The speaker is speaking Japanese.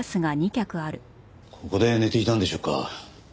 ここで寝ていたんでしょうか。